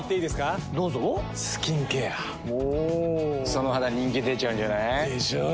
その肌人気出ちゃうんじゃない？でしょう。